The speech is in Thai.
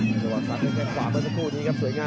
จังหวะวางเคล็ดขวางของเพชรน้ำหนึ่ง